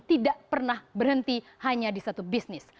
tidak pernah berhenti hanya di satu bisnis